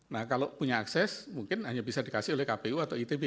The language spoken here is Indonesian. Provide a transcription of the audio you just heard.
nah kalau punya akses mungkin hanya bisa dikasih oleh kpu atau itb